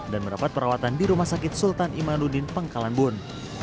dan mendapat perawatan di rumah sakit sultan imanuddin pengkalanbun